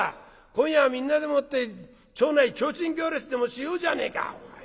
今夜はみんなでもって町内提灯行列でもしようじゃねえか」。